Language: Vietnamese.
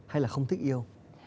hay là không thích yêu